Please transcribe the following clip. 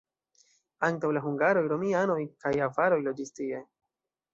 Antaŭ la hungaroj romianoj kaj avaroj loĝis tie.